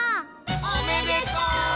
おめでとう！